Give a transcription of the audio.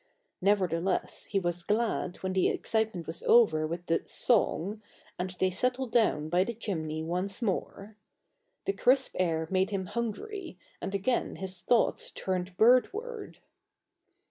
Nevertheless he was glad when the excitement was over with the "song," and they settled down by the chimney once more. The crisp air made him hungry, and again his thoughts turned birdward.